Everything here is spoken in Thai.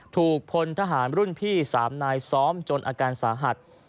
ถูกพลทหารรุ่นพี่๓นายซ้อมจนอาการสาหัส